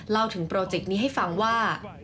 เล่าถึงโปรเจกต์นี้ให้ฟังว่า